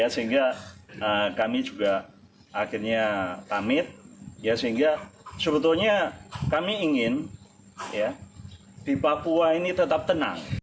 sehingga kami juga akhirnya pamit sehingga sebetulnya kami ingin di papua ini tetap tenang